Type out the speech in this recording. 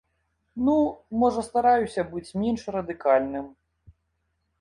Ну, можа стараюся быць менш радыкальным.